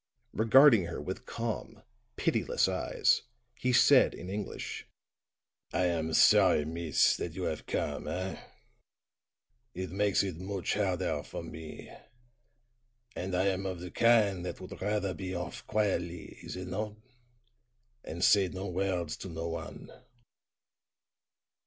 Regarding her with calm, pitiless eyes, he said in English: "I am sorry, mees, that you have come, eh? Eet makes eet mooch harder for me. And I am of the kind that would rather be off quietly, is it not? and say no words to no one."